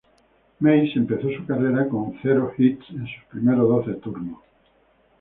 Mays empezó su carrera con cero hits en sus primeros doce turnos.